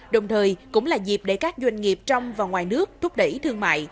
đồng thời cũng là dịp để các doanh nghiệp trong và ngoài nước thúc đẩy thương mại